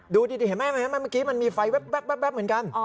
ดูดิเห็นไหมเมื่อกี้มันมีไฟแว๊บเหมือนกัน